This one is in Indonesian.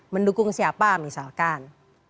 mendukung siapa misalkan